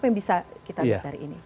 apa yang bisa kita lihat dari ini